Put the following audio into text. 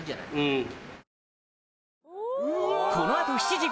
うん。